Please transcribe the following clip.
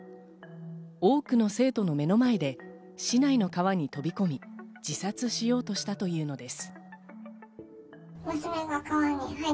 多くの生徒の目の前で市内の川に飛び込み、自殺しようとしたというのです。